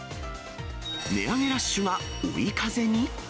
値上げラッシュが追い風に？